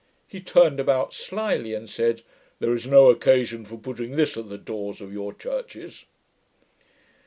he turned about slyly, and said, 'There is no occasion for putting this at the doors of your churches!'